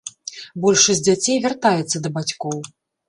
Большасць дзяцей вяртаецца да бацькоў.